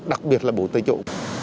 đặc biệt là bộ tây chỗ